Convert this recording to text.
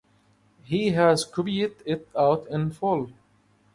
He has copied it out in full.